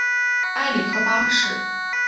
埃里克八世。